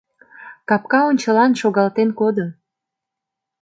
Капка ончылан шогалтен кодо.